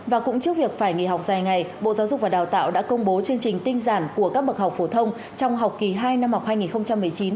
và cũng trước việc phải nghỉ học dài ngày bộ giáo dục và đào tạo đã công bố chương trình tinh giản của các bậc học phổ thông trong học kỳ hai năm học hai nghìn một mươi chín